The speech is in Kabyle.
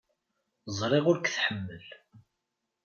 Ẓriɣ ur k-tḥemmel.